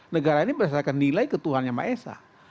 negara ini berdasarkan nilai ke tuhan yang ma'esah